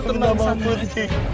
tante tenang banget sih